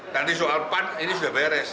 nanti soal pan ini sudah beres